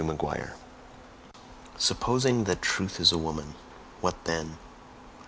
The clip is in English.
MAGNUS) PREFACE SUPPOSING that Truth is a woman what then?